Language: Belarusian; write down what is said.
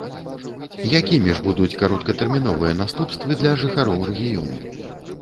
Якімі ж будуць кароткатэрміновыя наступствы для жыхароў рэгіёну?